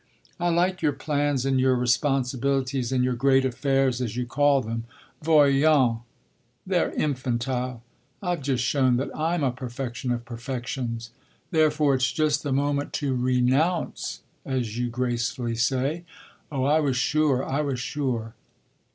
I like your plans and your responsibilities and your great affairs, as you call them. Voyons, they're infantile. I've just shown that I'm a perfection of perfections: therefore it's just the moment to 'renounce,' as you gracefully say? Oh I was sure, I was sure!"